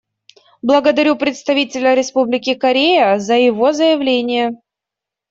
Благодарю представителя Республики Корея за его заявление.